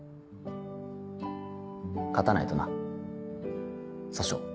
勝たないとな訴訟。